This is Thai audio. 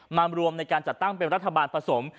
มารวมในการจัดตั้งเป็นรัฐบาลผสม